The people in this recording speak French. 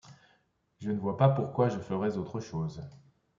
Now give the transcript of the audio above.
Je ne vois pas pourquoi je ferais autre chose